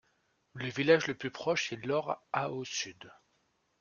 Le village le plus proche est Llorts à au sud.